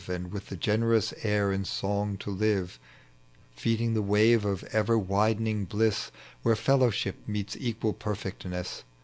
And with the generous air in song to live Feeding the wave of ever widening bliss Where fellowship means equal perfectness.